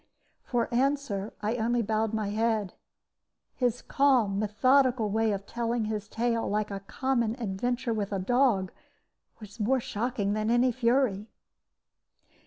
For answer I only bowed my head. His calm, methodical way of telling his tale, like a common adventure with a dog, was more shocking than any fury.